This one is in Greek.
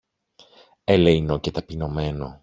ελεεινό και ταπεινωμένο.